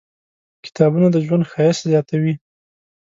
کتابونه د ژوند ښایست زیاتوي.